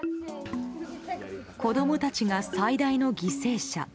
子供たちが最大の犠牲者。